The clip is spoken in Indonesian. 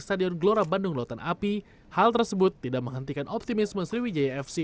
stadion gelora bandung lautan api hal tersebut tidak menghentikan optimisme sriwijaya fc